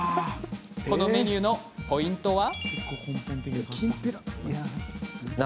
こちらのメニューのポイントは？